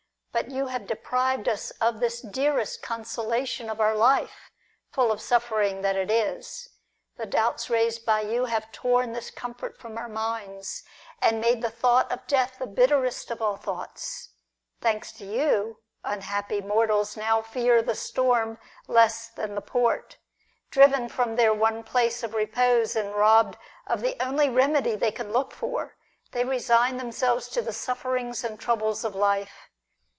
" But you have deprived us of this dearest consolation of our life, full of suffering that it is. The doubts raised 'by you have torn this comfort from our minds, and PLOTINUS AND PORPHYRIUS. 185 made the thought of death the bitterest of all thoughts. Thanks to you, unhappy mortals now fear the storm less than the port. Driven from their one place of repose, and robbed of the only remedy they could look for, they resign themselves to the sufferings and troubles of life.